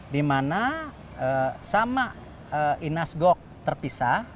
di mana sama inas gok terpisah